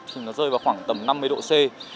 thì nó rơi vào khoảng tầm năm mươi độ c